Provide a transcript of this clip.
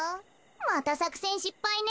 またさくせんしっぱいね。